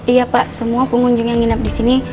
iya pak semua pengunjung yang menginap di sini